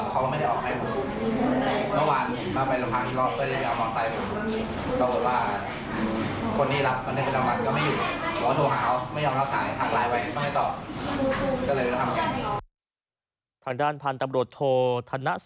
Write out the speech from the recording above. เกิดเหตุสักประมาณ๒ทุ่มได้